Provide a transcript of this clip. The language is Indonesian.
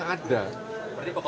sudah sekarang ada